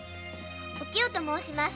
おきよと申します。